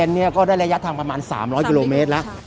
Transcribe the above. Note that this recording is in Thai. ๘๐เนี่ยก็ได้ระยะทั้งประมาณ๓๐๐กิโลเมตรละ